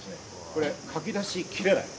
これ、かき出しきれない。